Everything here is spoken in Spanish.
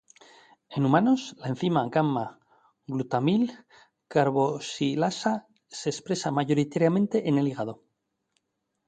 En humanos, la enzima gamma-glutamil carboxilasa se expresa mayoritariamente en el hígado.